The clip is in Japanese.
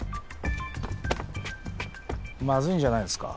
まずいんじゃないですか？